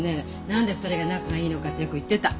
「何で２人が仲がいいのか？」ってよく言ってた。